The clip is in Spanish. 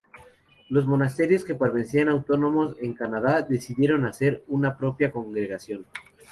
Los monasterios que permanecían autónomos en Canadá, decidieron hacer una propia congregación.